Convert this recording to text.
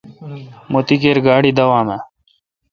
مہ تی کیر گاڑی داوام اؘ۔